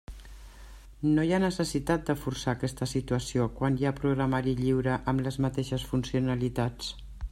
No hi ha necessitat de forçar aquesta situació quan hi ha programari lliure amb les mateixes funcionalitats.